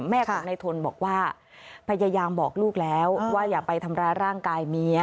แม่ของนายทนบอกว่าพยายามบอกลูกแล้วว่าอย่าไปทำร้ายร่างกายเมีย